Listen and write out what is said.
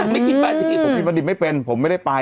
ไม่กินปลาดิบผมกินปลาดิบไม่เป็นผมไม่ได้ไป